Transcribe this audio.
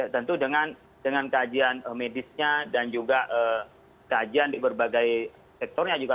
tentu dengan kajian medisnya dan juga kajian di berbagai sektornya juga